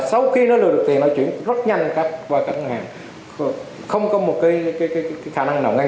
sau khi nó lừa được tiền nó chuyển rất nhanh qua các ngân hàng không có một khả năng nào ngay